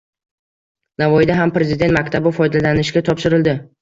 Navoiyda ham Prezident maktabi foydalanishga topshirildi